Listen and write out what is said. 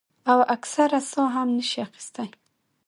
او اکثر ساه هم نشي اخستے ـ